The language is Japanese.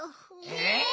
え！？